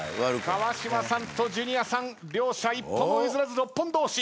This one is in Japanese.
川島さんとジュニアさん両者一歩も譲らず６本同士。